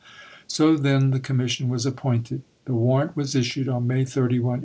So then the Commission was appointed. The Warrant was issued on May 31, 1859.